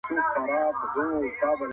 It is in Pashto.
د سروګلونو غوټۍ به واسي